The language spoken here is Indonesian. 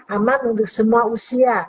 aman untuk semua usia